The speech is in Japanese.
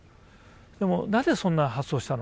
でも「なぜそんな発想したの？」